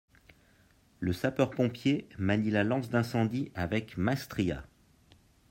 Le sapeur pompier manie la lance d'incendie avec maestria